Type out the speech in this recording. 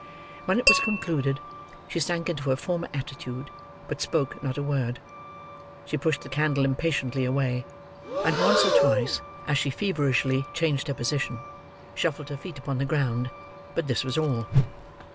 When it was concluded, she sank into her former attitude, but spoke not a word. She pushed the candle impatiently away; and once or twice as she feverishly changed her position, shuffled her feet upon the ground; but this was all.